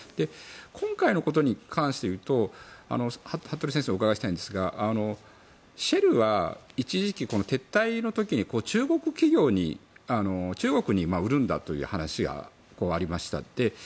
今回のことに関して言うと服部先生にお伺いしたいんですがシェルは一時期撤退の時に中国に売るんだという話がありました。